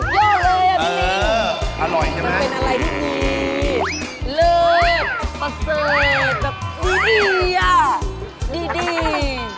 สุดยอดเลยพี่ลิงนี่ไม่เป็นอะไรที่ดีเลยประเศษดีอ่ะดี